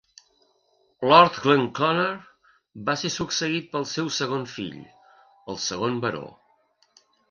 Lord Glenconner va ser succeït pel seu segon fill, el segon baró.